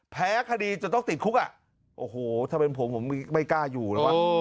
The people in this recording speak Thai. แพ้คดีจนต้องติดคุกอ่ะโอ้โหถ้าเป็นผมผมไม่กล้าอยู่แล้ววะ